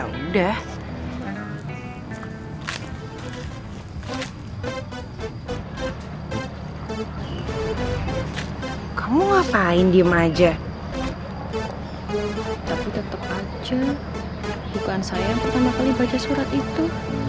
oh ya udah kamu ngapain diem aja tapi tetep aja bukan saya pertama kali baca surat itu